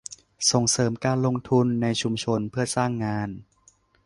ส่งเสริมการลงทุนในชุมชนเพื่อสร้างงาน